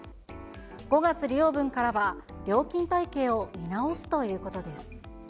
５月利用分からは、料金体系を見直すということです。